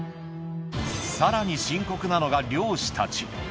さらに深刻なのが漁師たち。